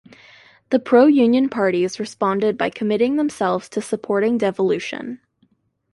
The pro Union parties responded by committing themselves to supporting devolution.